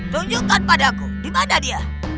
tunjukkan padaku dimana dia